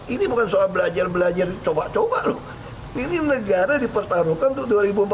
ini bukan soal belajar belajar coba coba loh ini negara dipertaruhkan untuk dua ribu empat belas